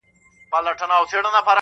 ځوان دعا کوي_